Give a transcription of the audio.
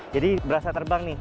jadi berasa terbang nih